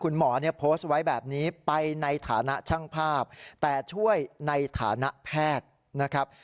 คุณหมอเนี่ยโพสต์ไว้แบบนี้ไปในฐานะช่างภาพแต่ช่วยในฐานะแพทย์นะครับ